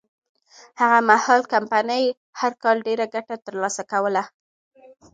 هغه مهال کمپنۍ هر کال ډېره ګټه ترلاسه کوله.